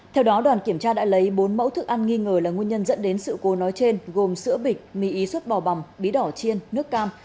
theo đó đoàn kiểm tra đã lấy bốn mẫu thức ăn nghi ngờ là nguyên nhân dẫn đến sự cố nói trên gồm sữa bịch mì ý xuất bò bằm bí đỏ chiên nước cam